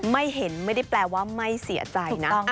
ไม่เห็นไม่ได้แปลว่าไม่เสียใจนะ